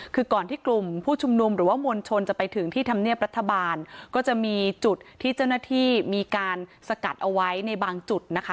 คือก่อนที่กลุ่มผู้ชุมนุมหรือว่ามวลชนจะไปถึงที่ธรรมเนียบรัฐบาลก็จะมีจุดที่เจ้าหน้าที่มีการสกัดเอาไว้ในบางจุดนะคะ